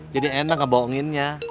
jadi enak ngebohonginnya